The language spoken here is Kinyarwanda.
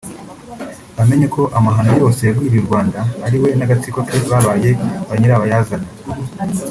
Bamenye ko amahano yose yagwiriye u Rwanda ari we n’agatsiko ke babaye ba nyirabayazana